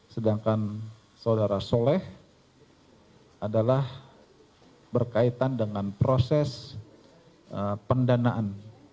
sedangkan saudara soleh adalah berkaitan dengan proses pendanaan